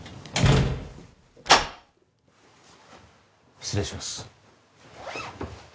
失礼します